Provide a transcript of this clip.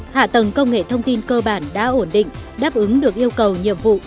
hạ tầng công nghệ thông tin cơ bản đã ổn định đáp ứng được yêu cầu nhiệm vụ